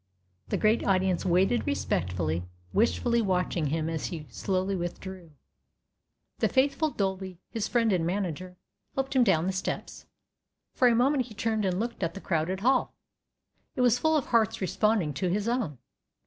The great audience waited respectfully, wistfully watching him as he slowly withdrew. The faithful Dolby, his friend and manager, helped him down the steps. For a moment he turned and looked at the crowded hall. It was full of hearts responding to his own.